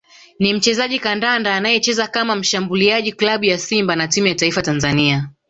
ni mchezaji kandanda anayecheza kama mshambuliaji klabu ya Simba na timu ya Taifa Tanzania